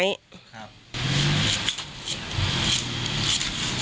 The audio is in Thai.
ครับ